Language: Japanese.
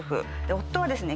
夫はですね